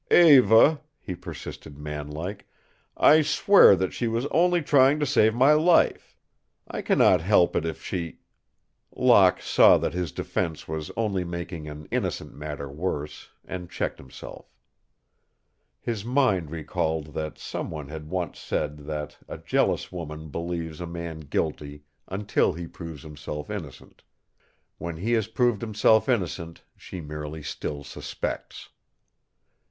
"Eva," he persisted, manlike, "I swear that she was only trying to save my life. I cannot help it if she " Locke saw that his defense was only making an innocent matter worse, and checked himself. His mind recalled that some one had once said that a jealous woman believes a man guilty until he proves himself innocent; when he has proved himself innocent she merely still suspects.